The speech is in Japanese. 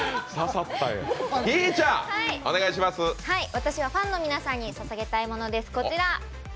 私はファンの皆さんにささげたいものです。